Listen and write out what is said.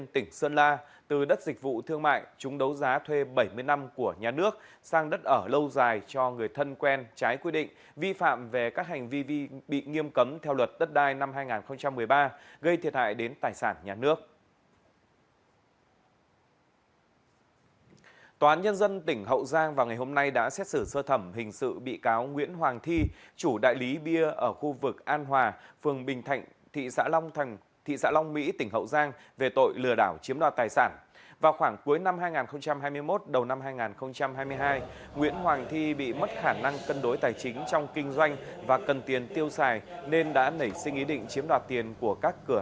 tòa án nhân dân tỉnh hậu giang đã tuyên bị cáo nguyễn hoàng thi phạm tội lừa đảo chiếm đoạt tài sản với hình phạt một mươi sáu năm tù